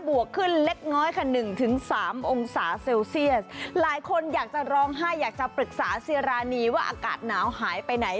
วกขึ้นเล็กน้อยค่ะหนึ่งถึงสามองศาเซลเซียสหลายคนอยากจะร้องไห้อยากจะปรึกษาซีรานีว่าอากาศหนาวหายไปไหน